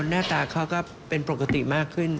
หน้าตาเขาก็เป็นปกติมากขึ้น